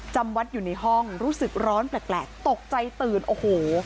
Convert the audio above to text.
จำวัดอยู่ในห้องรู้สึกร้อนแปลกตกใจตื่นโอ้โห